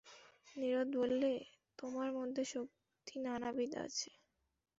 নীরদ বললে, তোমার মধ্যে শক্তি নানাবিধ আছে।